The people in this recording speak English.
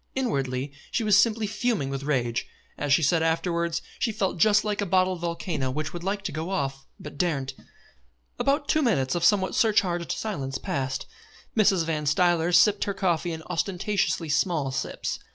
Inwardly she was simply fuming with rage. As she said afterwards, she felt just like a bottled volcano which would like to go off and daren't. About two minutes of somewhat surcharged silence passed. Mrs. Van Stuyler sipped her coffee in ostentatiously small sips.